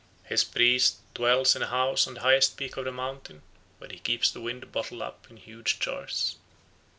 His priest dwells in a house on the highest peak of the mountain, where he keeps the winds bottled up in huge jars.